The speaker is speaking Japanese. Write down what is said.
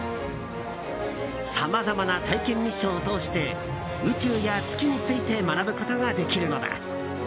さまざまな体験ミッションを通して宇宙や月について学ぶことができるのだ。